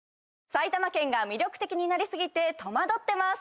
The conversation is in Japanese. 埼玉県が魅力的になり過ぎて戸惑ってます。